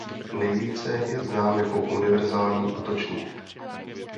Nejvíce je znám jako univerzální útočník.